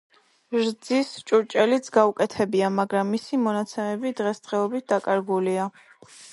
რძის ჭურჭელიც გაუკეთებია, მაგრამ მისი მონაცემები დღესდღეობით დაკარგულია.